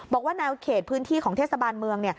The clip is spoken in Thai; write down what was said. บอกว่าแนวเขตพื้นที่ของเทศบาลเมือง